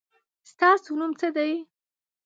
ستاسو نوم څه دی ؟